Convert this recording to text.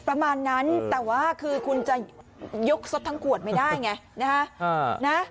ประมาณนั้นแต่ว่าคือคุณจะยกสดทั้งขวดไม่ได้ไงนะฮะ